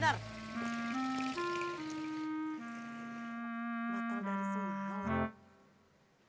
batal dari semalam